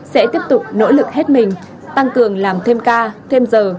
sẽ tiếp tục nỗ lực hết mình tăng cường làm thêm ca thêm giờ